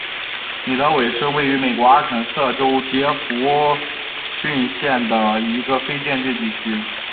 米德韦是位于美国阿肯色州杰佛逊县的一个非建制地区。